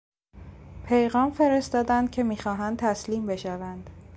پیغام فرستادند که میخواهند تسلیم بشوند.